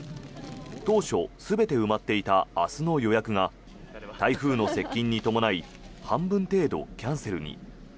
当初、全て埋まっていた明日の予約が台風の接近に伴い半分程度キャンセルに。